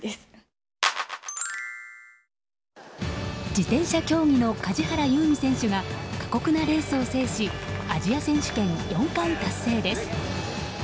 自転車競技の梶原悠未選手が過酷なレースを制しアジア選手権４冠達成です。